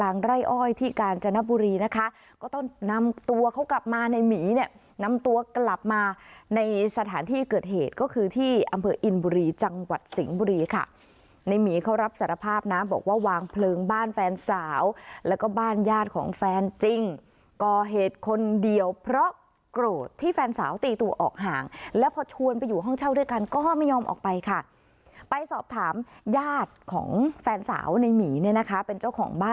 นี้เนี่ยนำตัวกลับมาในสถานที่เกิดเหตุก็คือที่อำเภออินบุรีจังหวัดสิงบุรีค่ะในหมีเขารับสารภาพนะบอกว่าวางเพลิงบ้านแฟนสาวแล้วก็บ้านญาติของแฟนจริงกอเหตุคนเดียวเพราะโกรธที่แฟนสาวตีตู่ออกห่างแล้วพอชวนไปอยู่ห้องเช่าด้วยกันก็ไม่ยอมออกไปค่ะไปสอบถามญาติของแฟนสาวในหมีเน